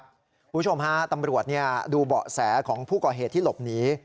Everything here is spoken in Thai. คุณผู้ชมฮะตำรวจดูเบาะแสของผู้ก่อเหตุที่หลบหนี